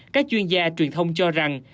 các chuyên gia truyền thông cho rằng